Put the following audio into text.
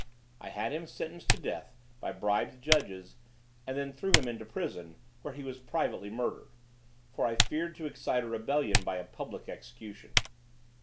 I had him sentenced to death by bribed judges, and then threw him into prison, where he was privately murdered; for I feared to excite a rebellion by a public execution.